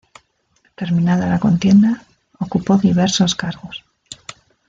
Terminada la contienda, ocupó diversos cargos.